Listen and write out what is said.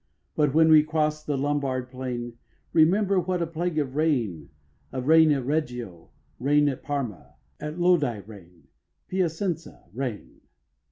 But when we crost the Lombard plain Remember what a plague of rain; Of rain at Reggio, rain at Parma; At Lodi, rain, Piacenza, rain.